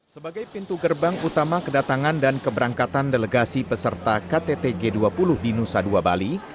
sebagai pintu gerbang utama kedatangan dan keberangkatan delegasi peserta ktt g dua puluh di nusa dua bali